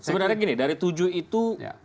sebenarnya gini dari tujuh itu